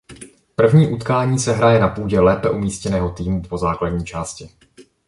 První utkání se hraje na půdě lépe umístěného týmu po základní části.